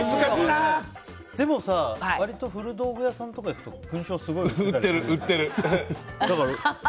でもさ割と古道具屋さんとか行くと売ってる、売ってる。